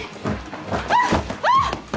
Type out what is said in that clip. あっあっ！